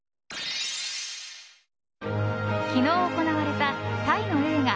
昨日、行われたタイの映画